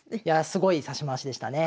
すごい指し回しでしたね。